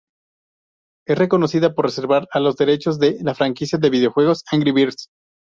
Es reconocida por reservar los derechos de la franquicia de videojuegos "Angry Birds".